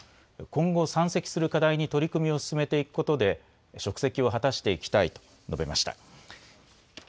今後、山積する課題に取り組みを進めていくことで、職責を果たしていきたいと述べました。